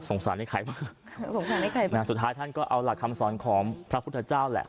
สารให้ใครบ้างสงสารให้ใครบ้างนะสุดท้ายท่านก็เอาหลักคำสอนของพระพุทธเจ้าแหละ